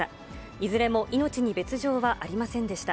いずれも命に別状はありませんでした。